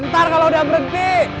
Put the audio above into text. ntar kalau udah berhenti